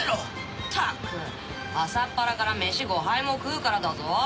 ったく朝っぱらからメシ５杯も食うからだぞ。